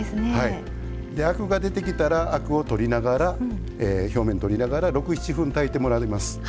アクが出てきたらアクを取りながら表面を取りながら６７分、炊いていただきます。